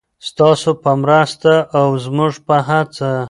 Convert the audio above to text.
ستاسو په مرسته او زموږ په هڅه.